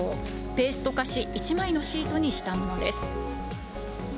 ペースト化し、１枚のシートにしたものです。